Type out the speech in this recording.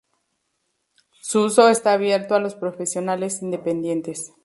Su uso está abierto a los profesionales independientes.